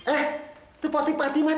eh tuh potik fatima tuh